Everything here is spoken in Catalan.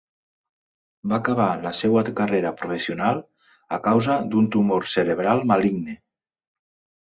Va acabar la seva carrera professional a causa d'un tumor cerebral maligne.